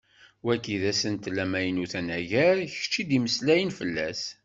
Wagi d asentel amaynut anagar kečč i d-yemmeslayen fell-as.